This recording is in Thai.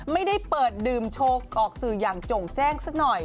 ไม่ได้เปิดดื่มโชว์ออกสื่ออย่างโจ่งแจ้งสักหน่อย